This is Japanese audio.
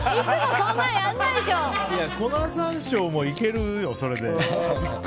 粉山椒もいけるよ、それで。